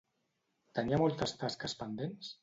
Tenia moltes tasques pendents?